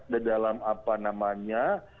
di dalam apa namanya